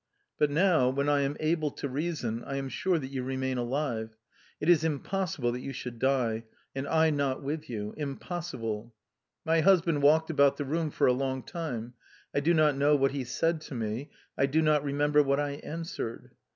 But now, when I am able to reason, I am sure that you remain alive: it is impossible that you should die, and I not with you impossible! My husband walked about the room for a long time. I do not know what he said to me, I do not remember what I answered...